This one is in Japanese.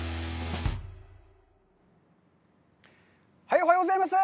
おはようございます！